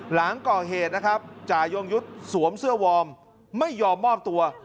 หลังก่อเหตุนะครับจ่ายงยุทธ์สวมเสื้อวอร์มไม่ยอมมอบตัว